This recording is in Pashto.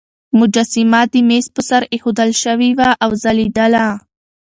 مجسمه د مېز پر سر ایښودل شوې وه او ځلېدله.